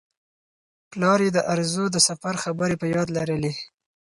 پلار یې د ارزو د سفر خبرې په یاد لرلې.